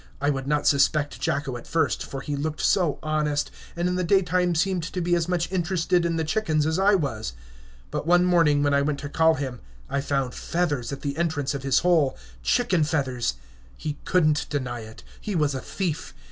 I would not suspect Jacko at first, for he looked so honest, and in the daytime seemed to be as much interested in the chickens as I was. But one morning, when I went to call him, I found feathers at the entrance of his hole, chicken feathers. He couldn't deny it. He was a thief.